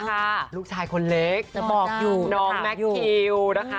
ลูกชายคนเล็กน้องแมคคิวนะคะ